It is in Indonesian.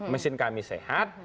mesin kami sehat